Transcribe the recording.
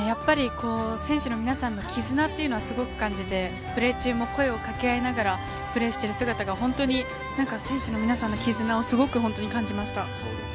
選手の皆さんの絆というのはすごく感じてプレー中も声を掛け合いながらプレーしている姿が本当に選手の皆さんの絆を感じました。